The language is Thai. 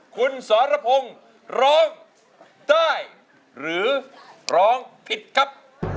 คุณสรพงศ์ร้องได้หรือร้องผิดครับ